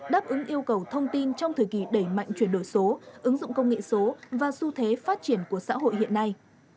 đáp ứng yêu cầu thông tin trong thời kỳ đẩy mạnh chuyển đổi số ứng dụng công nghệ số và xu thế phát triển của xã hội hiện nay